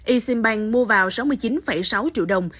isimbank mua vào sáu mươi chín sáu triệu đồng